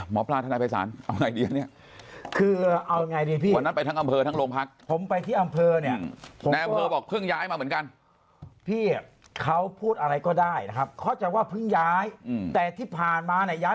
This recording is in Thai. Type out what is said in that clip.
ว่าเพิ่งย้ายแต่ที่ผ่านมาน่ะย้ายไปกี่คนแล้วแล้วแล้วแล้วได้ทำไหม